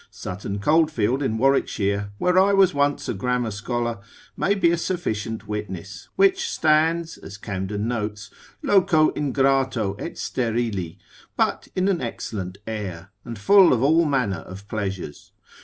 Sutton Coldfield in Warwickshire (where I was once a grammar scholar), may be a sufficient witness, which stands, as Camden notes, loco ingrato et sterili, but in an excellent air, and full of all manner of pleasures.